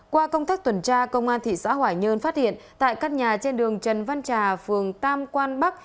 qua công tác tuần tra công an thị xã hoài nhơn phát hiện tại căn nhà trên đường trần văn trà phường tam quan bắc